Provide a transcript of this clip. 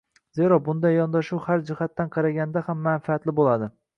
Zero, bunday yondashuv har jihatdan qaralganda ham manfaatli bo‘ladi.